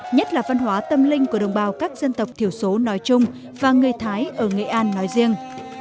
nhất là văn hóa tâm linh của đồng bào các dân tộc thiểu số nói chung và người thái ở nghệ an nói riêng